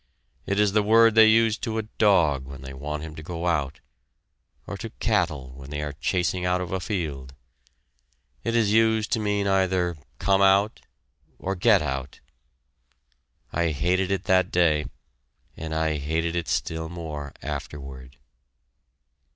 It is the word they use to a dog when they want him to go out, or to cattle they are chasing out of a field. It is used to mean either "Come out!" or "Get out!" I hated it that day, and I hated it still more afterward.